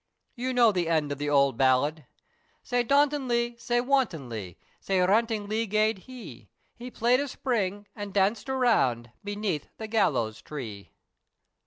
You know the end of the old ballad; "Sae dauntonly, sae wantonly, Sae rantingly gaed he, He play'd a spring, and danced a round, Beneath the gallows tree."